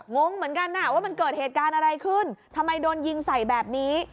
งงเหมือนกันว่ามันเกิดเหตุการณ์อะไรขึ้นทำไมโดนยิงใส่แบบนี้